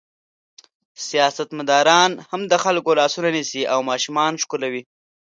سیاستمداران هم د خلکو لاسونه نیسي او ماشومان ښکلوي.